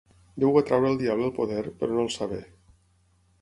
Déu va treure al diable el poder, però no el saber.